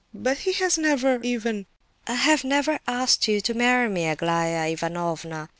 "But he has never even—" "I have never asked you to marry me, Aglaya Ivanovna!"